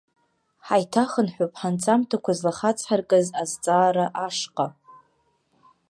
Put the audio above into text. Ҳаиҭахынҳәып ҳанҵамҭақәа злахацҳаркыз азҵаара ашҟа.